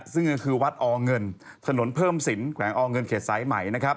ซึ่งนั่นคือวัดอเงินถนนเพิ่มสินแขวงอเงินเขตสายไหม